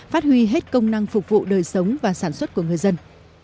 phát huy hết công năng phục vụ đời sống và sản xuất của người dân